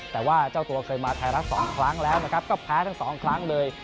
แต่ว่าเจ้าตัวเคยมาไทยรัฐ๒ครั้งแล้วนะครับก็แพ้ทั้งสองครั้งเลย